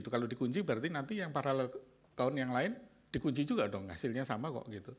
kalau dikunci berarti nanti yang paralel yang lain dikunci juga dong hasilnya sama kok gitu